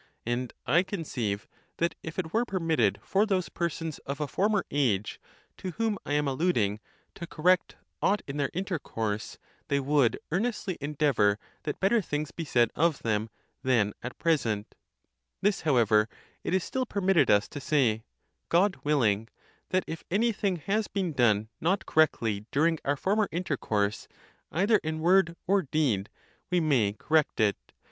And I conceive that if it were permitted for those persons of a former age, to whom I am alluding, to correct aught in their intercourse, they would earnestly endeavour that better things be said of them, than 1 This doctrine is laid down only hesitatingly in Menexen. § 20. EPISTLE 11. 481 at present. This however it is still permitted us to say, god willing, that if any thing has been done not correctly during our former intercourse, either in word or deed, we may cor rect it.